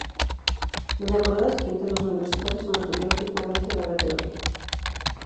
La temporada siguiente, los universitarios se mantuvieron dignamente en la categoría.